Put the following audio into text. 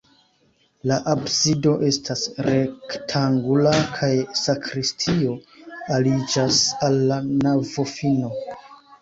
La absido estas rektangula kaj sakristio aliĝas al la navofino.